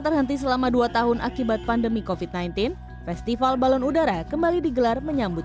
terhenti selama dua tahun akibat pandemi kofit sembilan belas festival balon udara kembali digelar menyambut